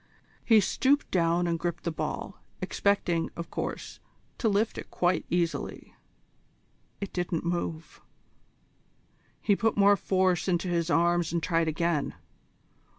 He stooped down and gripped the ball, expecting, of course, to lift it quite easily. It didn't move. He put more force into his arms and tried again.